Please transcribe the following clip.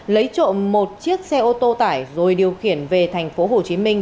lấy trộm một chiếc xe ô tô tải rồi điều khiển về thành phố hồ chí minh